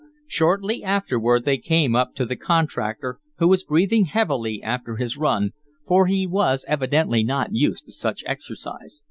Shortly afterward they came up to the contractor, who was breathing heavily after his run, for he was evidently not used to such exercise.